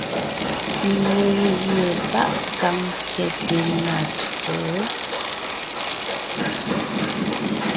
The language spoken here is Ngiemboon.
Ńne ńdíe páʼ kàŋ kyɛte na metÿǒ,